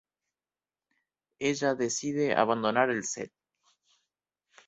Ella decide abandonar el set.